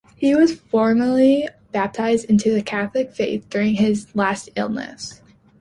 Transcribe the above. He was formally baptized into the Catholic faith during his last illness.